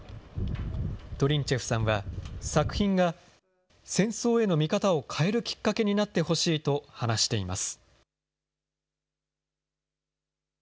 トリンチェフさんは、作品が戦争への見方を変えるきっかけになってほしいと話しています。